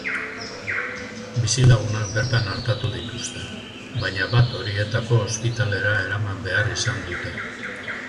Bizilagunak bertan artatu dituzte, baina bat horietako ospitalera eraman behar izan dute.